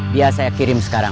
dia saya kirim sekarang